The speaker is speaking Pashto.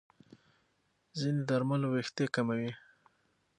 ځینې درملو وېښتې کموي.